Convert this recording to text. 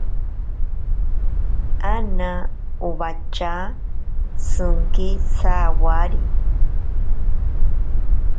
Ana owacha shinki sawari.